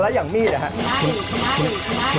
แล้วอย่างนี่แหละครับ